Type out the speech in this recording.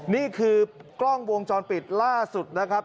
นี่คือกล้องวงจรปิดล่าสุดนะครับ